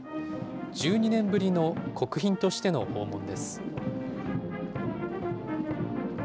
１２年ぶりの国賓としての訪問です。